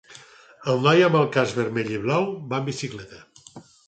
El noi amb el casc vermell i blau va en bicicleta.